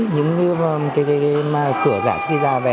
những cái cửa giảm